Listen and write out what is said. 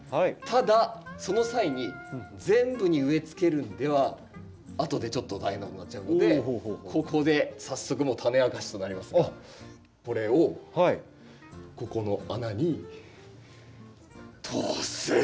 ただその際に全部に植えつけるのでは後でちょっと大変なことになっちゃうのでここで早速もう種明かしとなりますがこれをここの穴に通す。